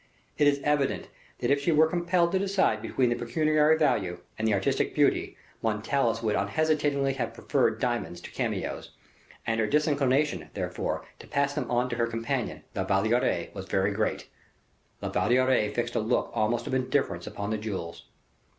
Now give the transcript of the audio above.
It is evident that if she were compelled to decide between the pecuniary value and the artistic beauty, Montalais would unhesitatingly have preferred diamonds to cameos, and her disinclination, therefore, to pass them on to her companion, La Valliere, was very great. La Valliere fixed a look almost of indifference upon the jewels.